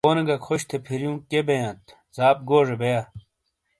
کونے گہ خوش تھے فریوں کیے بیانت زاپ گوزے بیا۔